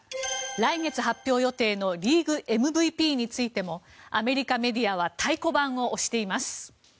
来月発表予定のリーグＭＶＰについてもアメリカメディアは太鼓判を押しています。